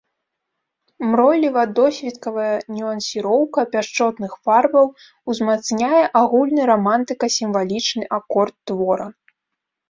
Мройліва-досвіткавая нюансіроўка пяшчотных фарбаў узмацняе агульны рамантыка-сімвалічны акорд твора.